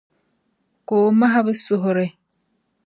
Ka O mahi bɛ suhiri.